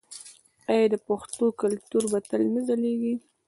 آیا د پښتنو کلتور به تل نه ځلیږي؟